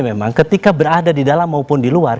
memang ketika berada di dalam maupun di luar